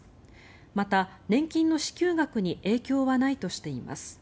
また年金の支給額に影響はないとしています。